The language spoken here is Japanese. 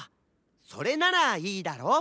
それならいいだろ？